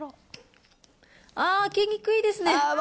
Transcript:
あー、開けにくいですね。